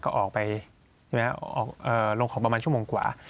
ก็ออกไปเอ่อลงของแค่๑ชั่วโมงกว่า